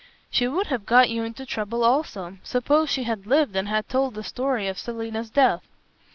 "She would have got you into trouble also. Suppose she had lived and had told the story of Selina's death."